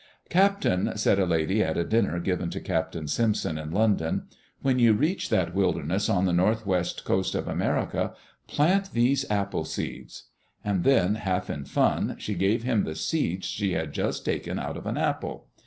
"Captain," said a lady at a dinner given to Captain Simpson, in London, "when you reach that wilderness on the Northwest Coast of America, plant these apple seeds.'* And then, half in fun, she gave him the seeds she had just taken out of an apple.